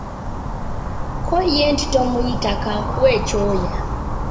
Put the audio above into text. Kko ye nti tomuyita kankuwe ekyoya.